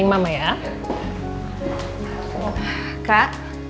ina pem alan beli konten